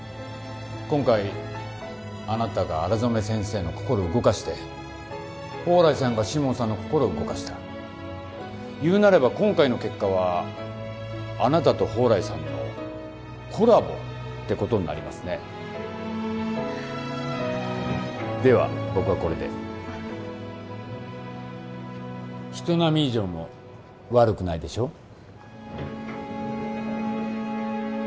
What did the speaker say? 今回あなたが荒染先生の心を動かして宝来さんがシモンさんの心を動かした言うなれば今回の結果はあなたと宝来さんのコラボってことになりますねでは僕はこれで人並み以上も悪くないでしょう？